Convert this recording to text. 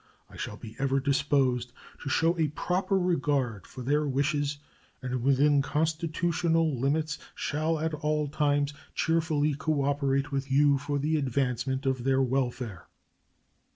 I shall be ever disposed to show a proper regard for their wishes and, within constitutional limits, shall at all times cheerfully cooperate with you for the advancement of their welfare.